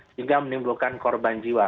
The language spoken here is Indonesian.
sehingga menimbulkan korban jiwa